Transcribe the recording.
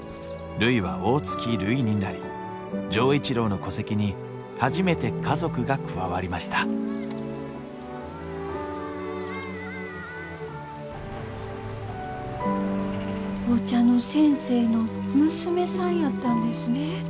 るいは大月るいになり錠一郎の戸籍に初めて家族が加わりましたお茶の先生の娘さんやったんですね。